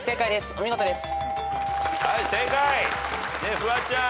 お見事です。